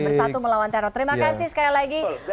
bersatu melawan teror terima kasih sekali lagi